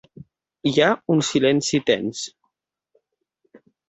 Hi ha un silenci tens.